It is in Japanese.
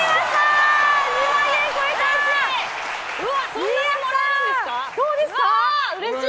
そんなにもらえるんですか？